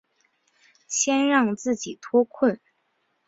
先让自己脱困